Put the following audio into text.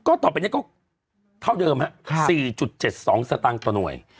ก็ต่อไปนี้ก็เท่าเดิมฮะ๔๗๒สตางค์ต่อหน่วย